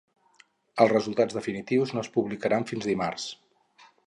Els resultats definitius no es publicaran fins dimarts.